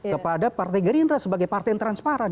kepada partai gerindra sebagai partai yang transparan